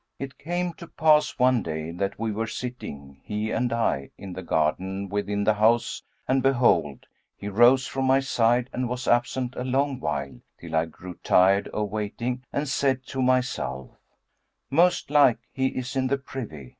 It came to pass one day that we were sitting, he and I, in the garden within the house, and behold, he rose from my side and was absent a long while, till I grew tired of waiting and said to myself: Most like, he is in the privy.